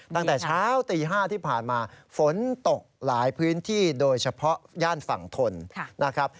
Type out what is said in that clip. ตั้งแต่เช้าตี๕ที่ผ่านมาฝนตกหลายพื้นที่โดยเฉพาะย่านฝั่งทนนะครับ